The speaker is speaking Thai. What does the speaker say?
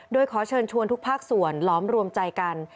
โดยขอเชิญชวนทุกภาคส่วนล้อมรวมใจกัน